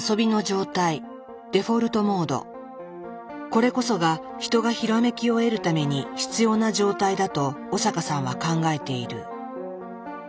これこそが人がひらめきを得るために必要な状態だと苧阪さんは考えている。